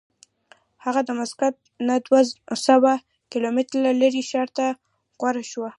هغه د مسقط نه دوه سوه کیلومتره لرې ښار ته غوره شوه.